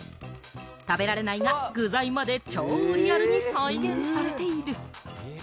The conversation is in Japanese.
食べられないが、具材まで超リアルに再現されている。